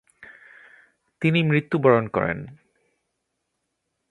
তিনি মৃত্যুবরণ করেন ।